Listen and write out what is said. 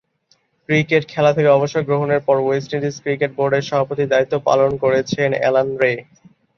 Cricket খেলা থেকে অবসর গ্রহণের পর ওয়েস্ট ইন্ডিজ ক্রিকেট বোর্ডের সভাপতির দায়িত্ব পালন করেছেন অ্যালান রে।